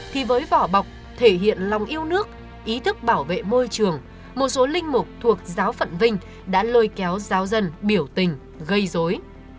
thì với vỏ bọc thể hiện lòng yêu nước ý thức bảo vệ môi trường một số linh mục thuộc giáo phận vinh đã lôi kéo giáo dân biểu tình gây dối